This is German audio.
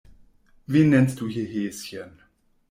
Wen nennst du hier Häschen?